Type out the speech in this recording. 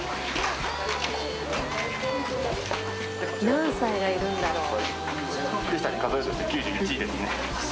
何歳がいるんだろう？